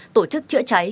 tổ chức trễ trái